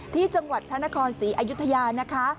ที่จังหวัดพระนครศรีอยุธยานะคะ